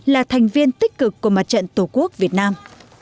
là thành viên tích cực của mặt trận tổ quốc việt nam